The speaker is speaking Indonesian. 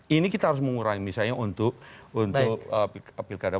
ini kita harus mengurangi misalnya untuk pilkada